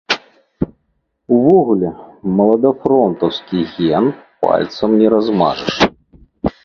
Увогуле, маладафронтаўскі ген пальцам не размажаш.